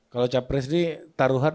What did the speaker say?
kalau capres ini taruhan